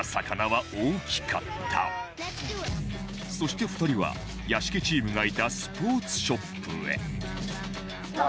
そして２人は屋敷チームがいたスポーツショップへ